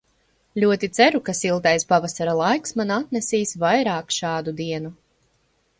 Ļoti ceru, ka siltais pavasara laiks man atnesīs vairāk šādu dienu.